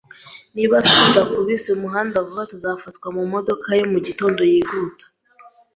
Niba tudakubise umuhanda vuba, tuzafatwa mumodoka yo mu gitondo yihuta